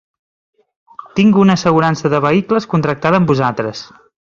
Tinc una assegurança de vehicles contractada amb vosaltres.